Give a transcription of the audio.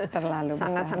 terlalu banyak ya